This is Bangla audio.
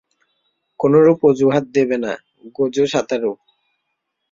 কোনোরুপ অজুহাত দেবে না, গোজো সাতোরু।